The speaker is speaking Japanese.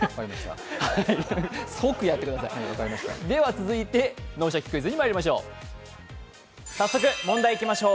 続いて「脳シャキ！クイズ」にまいりましょう。